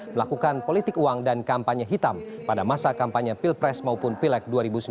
melakukan politik uang dan kampanye hitam pada masa kampanye pilpres maupun pilek dua ribu sembilan belas